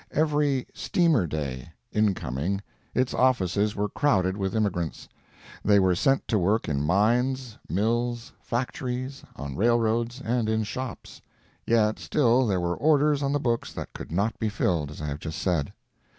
Every "steamer day" (incoming) its offices were crowded with immigrants. They were sent to work in mines, mills, factories, on railroads, and in shops. Yet, still there were orders on the books that could not be filled, as I have just said.